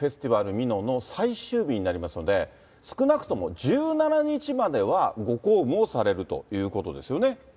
美濃の最終日になりますので、少なくとも１７日まではご公務をされるということですよね。